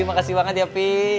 makasih banget ya pi